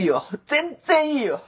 全然いいよ！